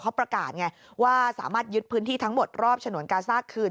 เขาประกาศไงว่าสามารถยึดพื้นที่ทั้งหมดรอบฉนวนกาซ่าคืน